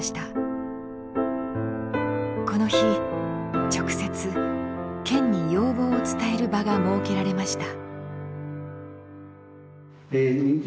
この日直接県に要望を伝える場が設けられました。